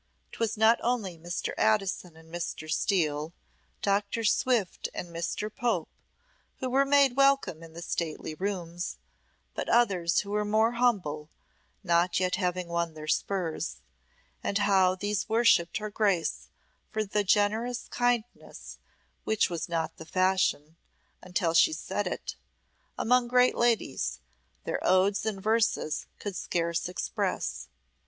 'Twas not only Mr. Addison and Mr. Steele, Dr. Swift and Mr. Pope, who were made welcome in the stately rooms, but others who were more humble, not yet having won their spurs, and how these worshipped her Grace for the generous kindness which was not the fashion, until she set it, among great ladies, their odes and verses could scarce express.